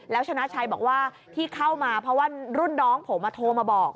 แล้วชนะชัยบอกว่าที่เข้ามาเพราะว่ารุ่นน้องผมโทรมาบอก